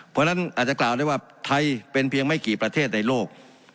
เพราะฉะนั้นอาจจะกล่าวได้ว่าไทยเป็นเพียงไม่กี่ประเทศในโลก